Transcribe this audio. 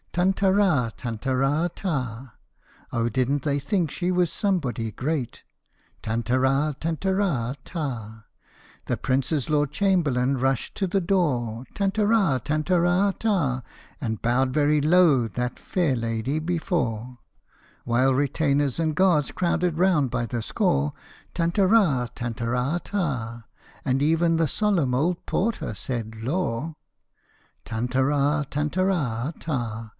Tantara tantara ta ! Oh, didn't they think she was somebody great ! Tantara tantara ta ! 62 CINDERELLA. The Prince's Lord Chamberlain rushed to the door, Tantara tantara ta ! And bowed very low that fair lady before, While retainers and guards crowded round by the score, Tantara tantara ta ! And even the solemn old porter said, " Lor !" Tantara tantara ta !